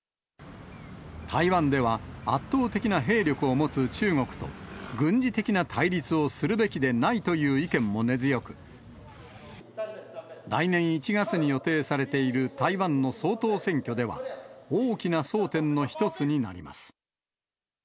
台湾では、圧倒的な兵力を持つ中国と、軍事的な対立をするべきでないという意見も根強く、来年１月に予定されている台湾の総統選挙では、大きな争点の一つになります。